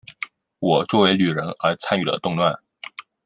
我作为女人而参与了动乱。